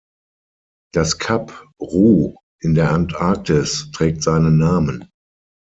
Das Kap Roux in der Antarktis trägt seinen Namen.